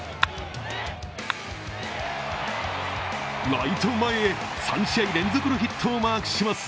ライト前へ３試合連続のヒットをマークします。